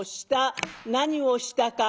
何をしたか。